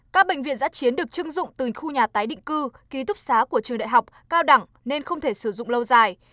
các bệnh viện giã chiến được chưng dụng từ khu nhà tái định cư ký túc xá của trường đại học cao đẳng nên không thể sử dụng lâu dài